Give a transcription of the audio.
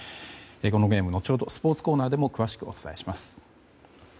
このゲーム、後ほどスポーツコーナーでも詳しくお伝えします。